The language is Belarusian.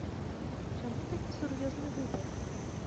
Чаму такі сур'ёзны выбар?